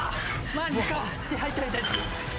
マジか。